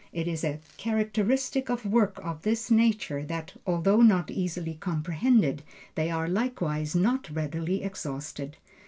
It is a characteristic of works of this nature, that although not easily comprehended, they are likewise not readily exhausted.